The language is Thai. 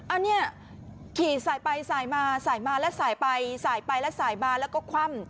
อันนี้ขี่สายไปสายมาสายมาแล้วสายไปสายไปแล้วสายมาแล้วก็คว่ำ